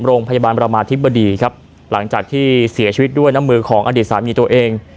โรงพยาบาลประมาธิบดีครับหลังจากที่เสียชีวิตด้วยน้ำมือของอดีตสามีตัวเอง